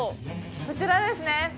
こちらですね。